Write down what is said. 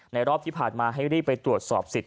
รอบที่ผ่านมาให้รีบไปตรวจสอบสิทธิ